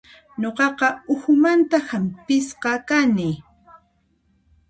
Nuqaqa uhumanta hampisqa kani.